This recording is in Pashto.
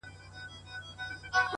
اخلاص د باور دروازې پرانیزي’